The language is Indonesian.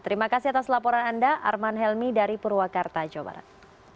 terima kasih atas laporan anda arman helmi dari purwakarta jawa barat